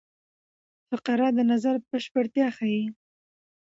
فقره د نظر بشپړتیا ښيي.